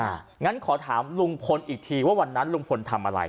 งั้นขอถามลุงพลอีกทีว่าวันนั้นลุงพลทำอะไร